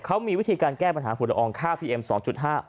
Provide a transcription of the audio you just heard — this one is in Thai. เขามีวิธีการแก้ปัญหาฝุ่นละอองค่าพีเอ็ม๒๕